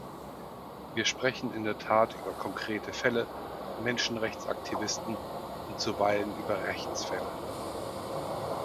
Wir sprechen in der Tat über konkrete Fälle, Menschenrechtsaktivisten, und zuweilen über Rechtsfälle.